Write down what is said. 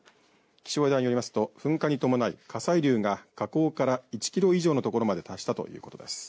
気象台によりますと噴火に伴い、火砕流が火口から１キロ以上の所まで達したということです。